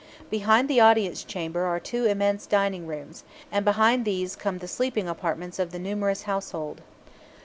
Behind the audience chamber are two immense dining rooms, and behind these come the sleeping apartments of the numerous household.